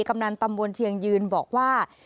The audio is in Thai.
กำนันตำบลเชียงยืนบอกว่า